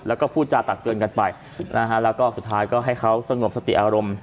แล้วก็พูดจาตักเตือนกันไปนะฮะแล้วก็สุดท้ายก็ให้เขาสงบสติอารมณ์